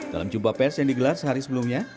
dalam jumpa pers yang digelar sehari sebelumnya